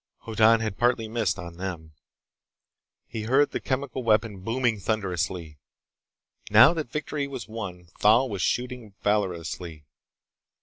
Hoddan had partly missed, on them. He heard the chemical weapon booming thunderously. Now that victory was won, Thal was shooting valorously.